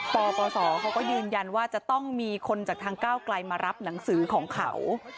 ปปศเขาก็ยืนยันว่าจะต้องมีคนจากทางก้าวไกลมารับหนังสือของเขา